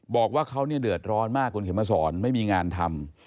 บอกว่าเขาเดือดร้อนมากคุณเขมรสอนไม่มีงานทำ